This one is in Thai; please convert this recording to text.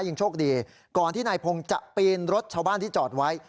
ยังโชคดีก่อนที่นายพงศ์จะปีนรถชาวบ้านที่จอดไว้